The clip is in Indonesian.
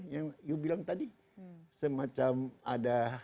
yang you bilang tadi semacam ada